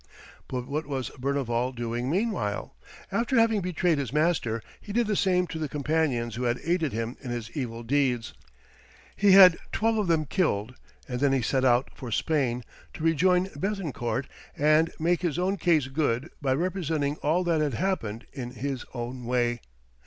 But what was Berneval doing meanwhile? After having betrayed his master, he did the same to the companions who had aided him in his evil deeds; he had twelve of them killed and then he set out for Spain to rejoin Béthencourt and make his own case good by representing all that had happened in his own way.